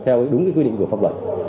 theo đúng quy định của pháp luật